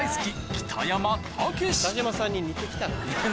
北島さんに似て来たな。